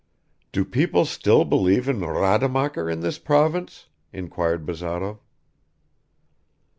"Do people still believe in Rademacher in this province?" inquired Bazarov.